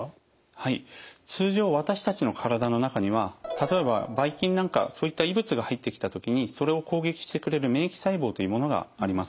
はい通常私たちの体の中には例えばばい菌なんかそういった異物が入ってきた時にそれを攻撃してくれる免疫細胞というものがあります。